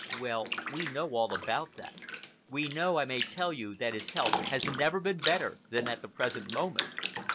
Well, we know all about that. We know, I may tell you, that his health has never been better than at the present moment."